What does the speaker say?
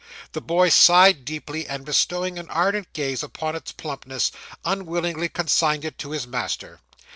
The boy sighed deeply, and, bestowing an ardent gaze upon its plumpness, unwillingly consigned it to his master.